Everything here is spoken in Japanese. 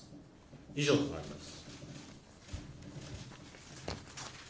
以上となります。